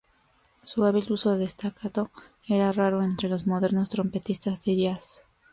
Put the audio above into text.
Su hábil uso del staccato era raro entre los modernos trompetistas de jazz.